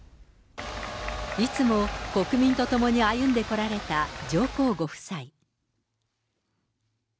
いつも国民と共に歩んでこられた上皇ご夫妻。